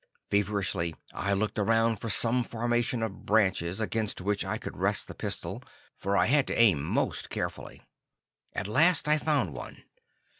Feverishly I looked around for some formation of branches against which I could rest the pistol, for I had to aim most carefully. At last I found one.